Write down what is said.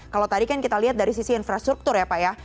kalau tadi kan kita lihat dari sisi infrastruktur ya pak ya